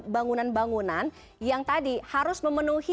bangunan bangunan yang tadi harus memenuhi